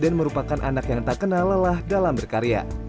dan merupakan anak yang tak kenal lelah dalam berkarya